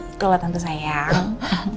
itulah tante sayang